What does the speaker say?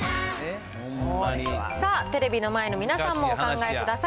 さあ、テレビの前の皆さんもお考えください。